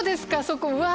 そこ。